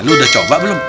lu udah coba belum